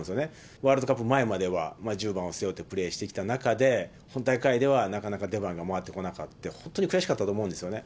ワールドカップ前までは１０番を背負ってプレーしてきた中で、本大会ではなかなか出番が回ってこなかって、本当に悔しかったと思うんですよね。